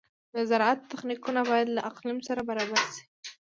د زراعت تخنیکونه باید له اقلیم سره برابر شي.